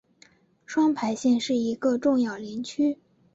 双牌县是一个重要林区。